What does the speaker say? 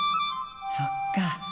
そっか。